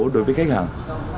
đối với khách hàng